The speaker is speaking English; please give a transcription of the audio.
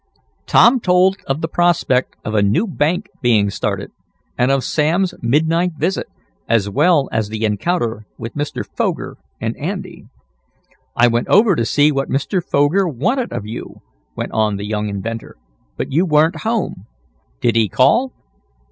Tom told of the prospect of a new bank being started, and of Sam's midnight visit, as well as the encounter with Mr. Foger and Andy. "I went over to see what Mr. Foger wanted of you," went on the young inventor, "but you weren't home. Did he call?"